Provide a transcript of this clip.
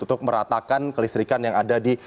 untuk meratakan kelistrikan yang ada di